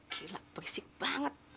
gila berisik banget